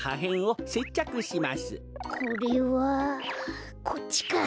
これはこっちか。